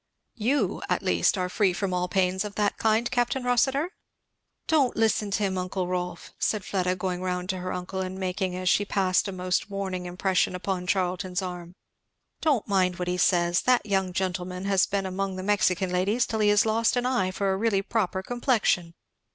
"You, at least, are free from all pains of the kind, Capt. Rossitur." "Don't listen to him, uncle Rolf!" said Fleda going round to her uncle, and making as she passed a most warning impression upon Charlton's arm, "don't mind what he says that young gentleman has been among the Mexican ladies till he has lost an eye for a really proper complexion.